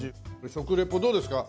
食リポどうですか？